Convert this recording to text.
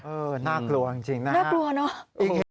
เออน่ากลัวจริงจริงนะฮะน่ากลัวเนอะ